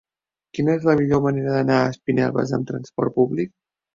Quina és la millor manera d'anar a Espinelves amb trasport públic?